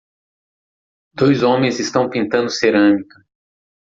Dois homens estão pintando cerâmica.